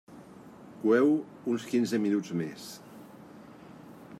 Coeu-ho uns quinze minuts més.